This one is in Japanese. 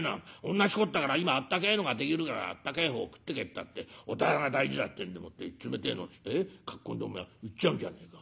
同じことだから今あったけえのができるからあったけえ方食ってけったって御店が大事だってんでもって冷てえのっつってかっ込んでお前行っちゃうんじゃねえか。